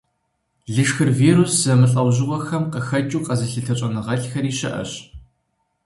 Лышхыр вирус зэмылӀэужьыгъуэхэм къыхэкӀыу къэзылъытэ щӀэныгъэлӀхэри щыӀэщ.